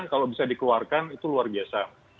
kalau bisa dikeluarkan itu luar biasa